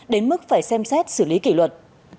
đến mức phải xem xét xử lý kỷ luật